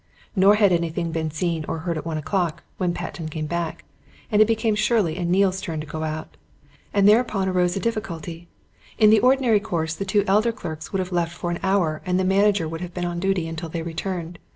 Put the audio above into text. Nor had anything been seen or heard at one o'clock, when Patten came back, and it became Shirley and Neale's turn to go out. And thereupon arose a difficulty. In the ordinary course the two elder clerks would have left for an hour and the manager would have been on duty until they returned.